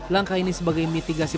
langkah ini sebagai mitigasi